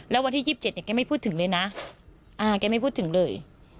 แล้ววันที่๒๗เนี่ยแกไม่พูดถึงเลยนะแกไม่พูดถึงเลย